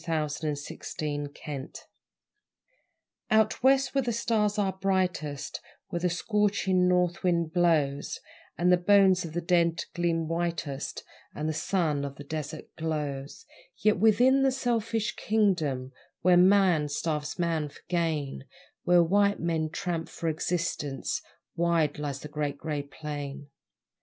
The Great Grey Plain Out West, where the stars are brightest, Where the scorching north wind blows, And the bones of the dead gleam whitest, And the sun on a desert glows Yet within the selfish kingdom Where man starves man for gain, Where white men tramp for existence Wide lies the Great Grey Plain.